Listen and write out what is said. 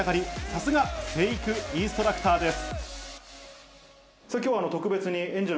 さすが成育インストラクターです。